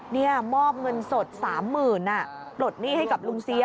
นี่มอบเงินสดสามหมื่นปลดหนี้ให้กับลุงเซี๊ย